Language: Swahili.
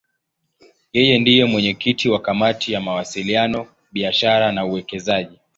Yeye ndiye mwenyekiti wa Kamati ya Mawasiliano, Biashara na Uwekezaji.